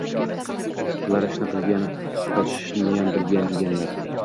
Qilar ishni qilgin, qochishniyam bilgin, deganlar